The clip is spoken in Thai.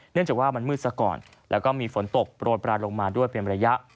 เนื่องจากว่ามันมืดซะก่อนแล้วก็มีฝนตกโปรดปลายลงมาด้วยเป็นระยะ